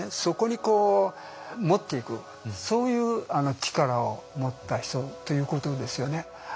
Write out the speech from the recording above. そこにこう持っていくそういう力を持った人ということですよね。